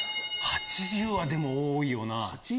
８０はでも多いよな。